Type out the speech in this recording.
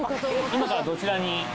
今からどちらに？